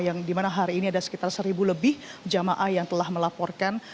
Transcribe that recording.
yang dimana hari ini ada sekitar seribu lebih jamaah yang telah melaporkan